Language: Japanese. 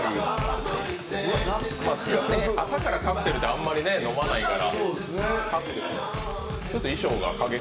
朝からカクテルってあんまり飲まないから。